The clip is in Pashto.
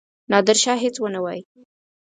نادرشاه هیڅ ونه وايي.